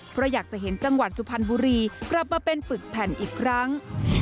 เพราะอยากจะเห็นจังหวัดสุพรรณบุรีกลับมาเป็นฝึกแผ่นอีกครั้ง